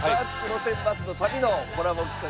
路線バスの旅』のコラボ企画。